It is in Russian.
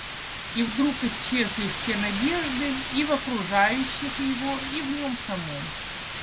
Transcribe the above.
И вдруг исчезли все надежды и в окружающих его и в нем самом.